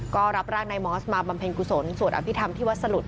ก็รับร่างนายมอสมาบำเพ็ญกุศลสวดอภิษฐรรมที่วัดสลุด